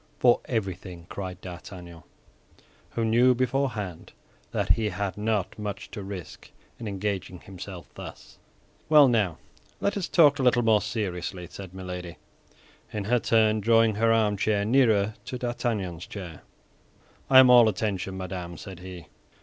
"For everything," cried D'Artagnan, who knew beforehand that he had not much to risk in engaging himself thus. "Well, now let us talk a little seriously," said Milady, in her turn drawing her armchair nearer to D'Artagnan's chair. "I am all attention, madame," said he.